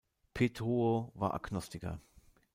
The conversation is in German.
Petruo war Agnostiker.